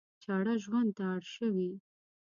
چړه ژوند ته اړ شوي.